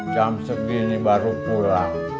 jam segini baru pulang